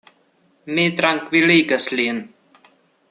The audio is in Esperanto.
Mi trankviligas lin.